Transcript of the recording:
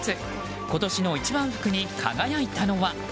今年の一番福に輝いたのは？